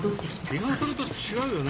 リハーサルと違うよね？